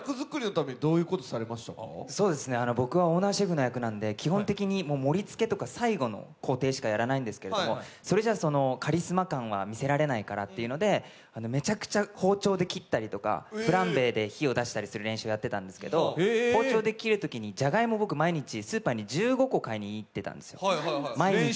僕はオーナーシェフの役なんで、基本的に盛りつけとか最後の工程しかやらないんですけど、それじゃあカリスマ感は見せられないからというので、めちゃくちゃ包丁で切ったりとか、フランベで火を出したりする練習をやったりしていたんですけど包丁で切るときに、じゃがいもを毎日スーパーに１５個買いに行ってたんです。